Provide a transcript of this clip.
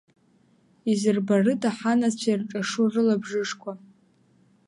Изырбарыда ҳанацәа ирҿашу рылабжышқәа?